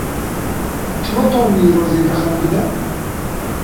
Çima Tomî îro zêde xemgîn e?